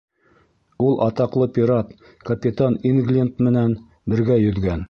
Ул атаҡлы пират, капитан Ингленд менән бергә йөҙгән.